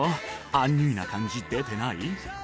アンニュイな感じ出てない？」